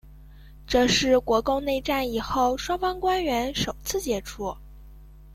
这是国共内战以后双方官员首次接触。